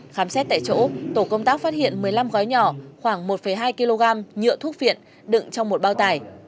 khám xét tại chỗ tổ công tác phát hiện một mươi năm gói nhỏ khoảng một hai kg nhựa thuốc viện đựng trong một bao tải